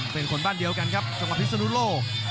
เป็นคนบ้านเดียวกันครับสำหรับฤทธิ์สนุโล